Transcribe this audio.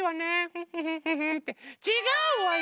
フッフフフフ。ってちがうわよ！